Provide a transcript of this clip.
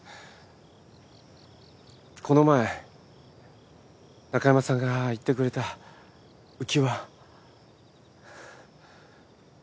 この前中山さんが言ってくれたうきわ。